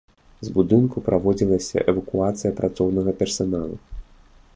З будынку праводзілася эвакуацыя працоўнага персаналу.